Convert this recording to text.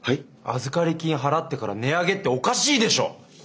預かり金払ってから値上げっておかしいでしょ！